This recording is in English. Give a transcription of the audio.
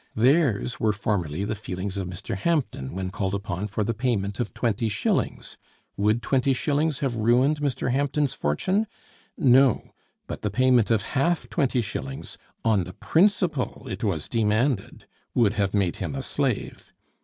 Theirs were formerly the feelings of Mr. Hampden when called upon for the payment of twenty shillings. Would twenty shillings have ruined Mr. Hampden's fortune? No! but the payment of half twenty shillings, on the principle it was demanded, would have made him a slave.